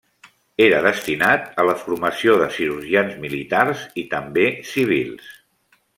Era destinat a la formació de cirurgians militars i també civils.